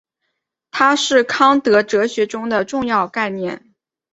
它是康德哲学中的重要概念。